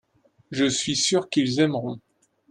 je suis sûr qu'ils aimeront.